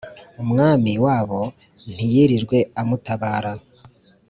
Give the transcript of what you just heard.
umwami wabo ntiyirirwe amutabara.